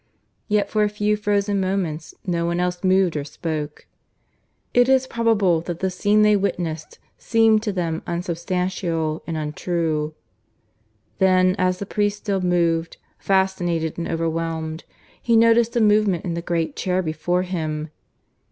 Yet for a few frozen moments no one else moved or spoke. It is probable that the scene they witnessed seemed to them unsubstantial and untrue. Then, as the priest still stood, fascinated and overwhelmed, he noticed a movement in the great chair before him.